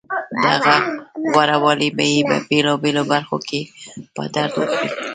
دغه غورهوالی به یې په بېلابېلو برخو کې په درد وخوري